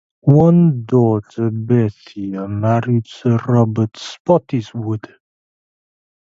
One daughter Bethia married Sir Robert Spottiswoode.